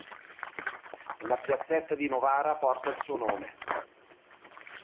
Una piazzetta di Novara porta il suo nome.